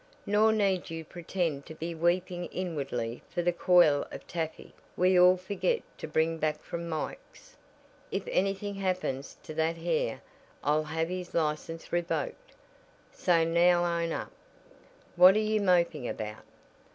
Nor need you pretend to be weeping inwardly for the coil of taffy we all forgot to bring back from Mikes' (if anything happens to that hair I'll have his license revoked), so now own up, what are you moping about?"